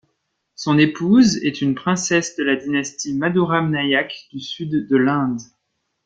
Son épouse est une princesse de la dynastie Madurai Nayak du sud de l'Inde.